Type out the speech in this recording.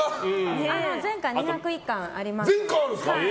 全巻２０１巻あります。